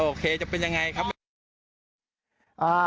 โอเคจะเป็นยังไงครับ